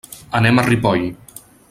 Anem a Ripoll.